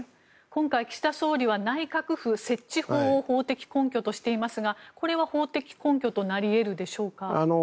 今回、岸田総理は内閣府設置法を法的根拠としていますがこれは法的根拠となり得るでしょうか。